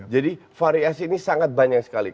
jadi variasi ini sangat banyak sekali